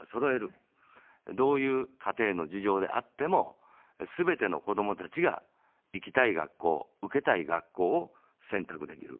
どういう家庭の事情であっても、すべての子どもたちが行きたい学校、受けたい学校を選択できる。